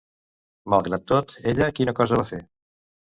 Malgrat tot, ella quina cosa va fer?